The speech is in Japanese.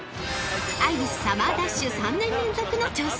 ［アイビスサマーダッシュ３年連続の挑戦］